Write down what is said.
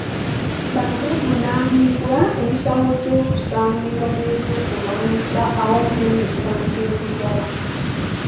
Bano bavunaanibwa emisango gy’okusangibwa n’ebyokulwanyisa awamu n’emisango emirala.